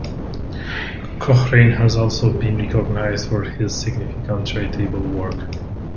Cochrane has also been recognized for his significant charitable work.